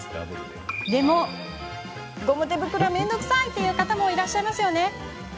でも、ゴム手袋は面倒くさいという方もいらっしゃいますよね。